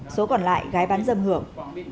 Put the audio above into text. số còn lại gái bán dâm hưởng